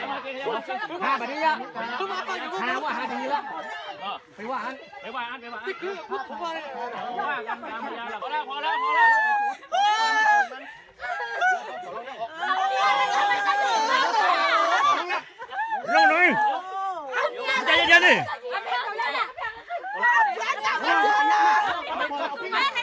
สวัสดีสวัสดีสวัสดีสวัสดีสวัสดีสวัสดีสวัสดีสวัสดีสวัสดีสวัสดีสวัสดีสวัสดีสวัสดีสวัสดีสวัสดีสวัสดีสวัสดีสวัสดีสวัสดีสวัสดีสวัสดีสวัสดีสวัสดีสวัสดีสวัสดีสวัสดีสวัสดีสวัสดีสวัสดีสวัสดีสวัสดีสวัสดี